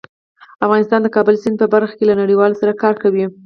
افغانستان د کابل سیند په برخه کې له نړیوالو سره کار کوي.